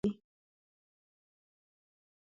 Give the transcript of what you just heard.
زما نیکه او ورونه د هټلر لخوا اعدام شويدي.